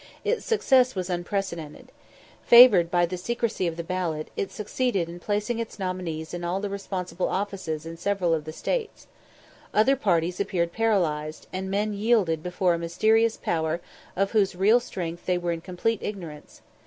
Its success was unprecedented. Favoured by the secresy of the ballot, it succeeded in placing its nominees in all the responsible offices in several of the States. Other parties appeared paralysed, and men yielded before a mysterious power of whose real strength they were in complete ignorance.